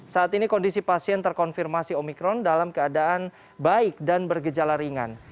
saat ini kondisi pasien terkonfirmasi omikron dalam keadaan baik dan bergejala ringan